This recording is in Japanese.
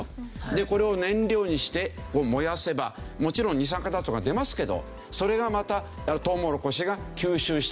でこれを燃料にして燃やせばもちろん二酸化炭素が出ますけどそれがまたトウモロコシが吸収して成長する。